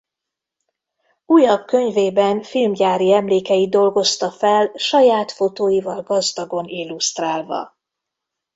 Újabb könyvében filmgyári emlékeit dolgozta fel saját fotóival gazdagon illusztrálva.